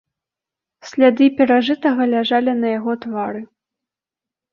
Сляды перажытага ляжалі на яго твары.